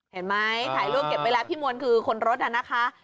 เห็นไหมถ่ายรูปเก็บไว้แล้วพี่มวลคือคนรถน่ะนะคะ